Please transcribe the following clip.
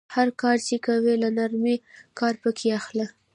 هر کار چې کوئ له نرمۍ کار پکې اخلئ.